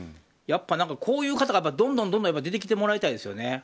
やっぱ、こういう方がどんどん出てきてもらいたいですね。